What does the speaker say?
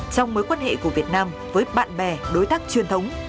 trong mối quan hệ của việt nam với bạn bè đối tác truyền thống